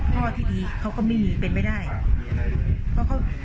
พ่อที่ดีเขาก็ไม่มีปลอดภัย